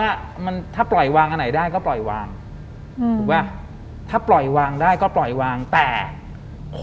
หลังจากนั้นเราไม่ได้คุยกันนะคะเดินเข้าบ้านอืม